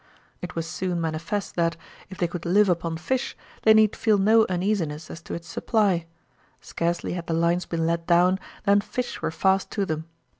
It was soon manifest that, if they could live upon fish, they need feel no uneasiness as to its supply. Scarcely had the lines been let down than fish were fast to them.